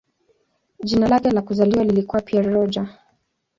Jina lake la kuzaliwa lilikuwa "Pierre Roger".